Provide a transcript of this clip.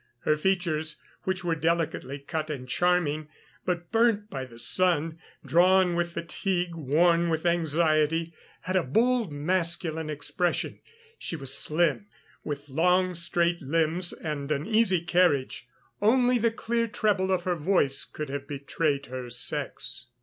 Her features, which were delicately cut and charming, but burnt by the sun, drawn with fatigue, worn with anxiety, had a bold, masculine expression. She was slim, with long straight limbs and an easy carriage; only the clear treble of her voice could have betrayed her sex.